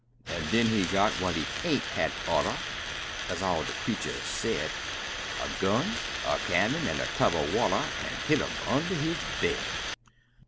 An' den he got what he aint had oughter, Ez all de creeturs said, A gun, a cannon, an' a tub er water, An' hid um under his bed!